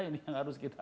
ini yang harus kita